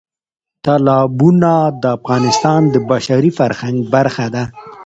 تالابونه د افغانستان د بشري فرهنګ برخه ده.